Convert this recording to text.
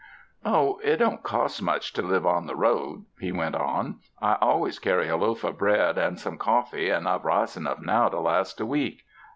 "Oh, it don't cost much to live on the road," he went on, "I always carry a loaf of bread and some coffee, and I've rice enough now to last a week.